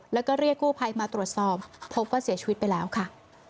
แล้วก็เรียกกู้ภัยมาตรวจสอบพบว่าเสียชีวิตไปแล้วค่ะ